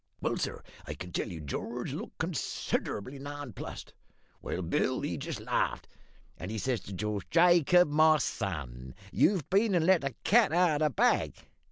"Well, sir, I can tell you George looked considerable nonplussed; while Bill, he just laughed; and he says to George, `Jacob, my son, you've been and let the cat out of the bag!'